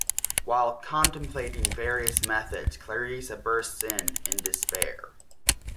While contemplating various methods, Clarisa bursts in in despair.